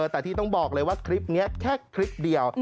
แต่ที่ต้องบอกเลยว่าคลิปนี้แค่คลิปเดียว